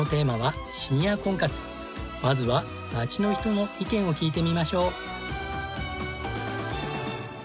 まずは街の人の意見を聞いてみましょう。